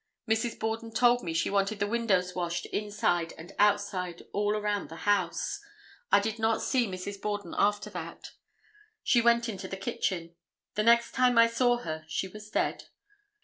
Mrs. Borden told me she wanted the windows washed inside and outside all around the house. I did not see Mrs. Borden after that. She went into the kitchen. The next time I saw her she was dead.